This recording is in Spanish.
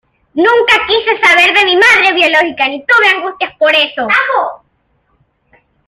Nunca quise saber de mi madre biológica ni tuve angustias por eso.